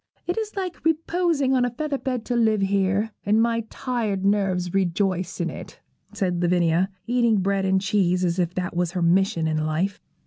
It is like reposing on a feather bed to live here, and my tired nerves rejoice in it,' said Lavinia, eating bread and cheese as if that was her mission in life.